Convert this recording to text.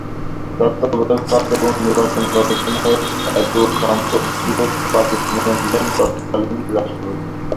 তত্ত্বাবধায়ক সরকার এবং নির্বাচন কমিশনের এতৎসম্পর্কীয় সুপারিশ মেনে নিলেন তৎকালীন রাষ্ট্রপতি।